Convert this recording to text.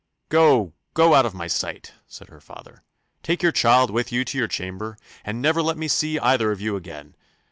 "Go, go out of my sight!" said her father. "Take your child with you to your chamber, and never let me see either of you again.